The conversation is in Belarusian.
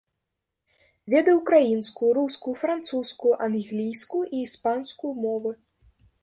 Ведае ўкраінскую, рускую, французскую, англійскую і іспанскую мовы.